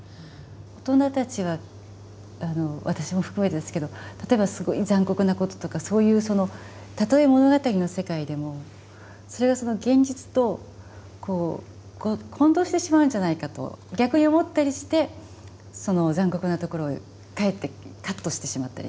大人たちは私も含めてですけど例えばすごい残酷なこととかそういうそのたとえ物語の世界でもそれが現実と混同してしまうんじゃないかと逆に思ったりしてその残酷なところをかえってカットしてしまったり。